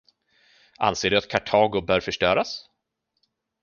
Anser du att Kartago bör förstöras?